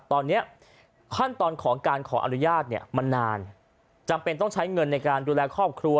ตอนนี้ขั้นตอนของการขออนุญาตเนี่ยมันนานจำเป็นต้องใช้เงินในการดูแลครอบครัว